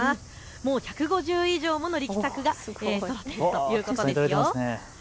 もう１５０以上もの力作がそろっているということですよ。